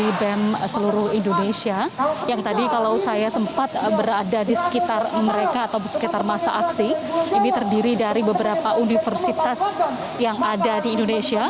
di bem seluruh indonesia yang tadi kalau saya sempat berada di sekitar mereka atau sekitar masa aksi ini terdiri dari beberapa universitas yang ada di indonesia